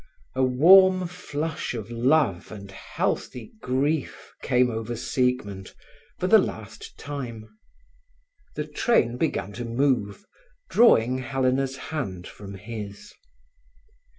A warm flush of love and healthy grief came over Siegmund for the last time. The train began to move, drawing Helena's hand from his.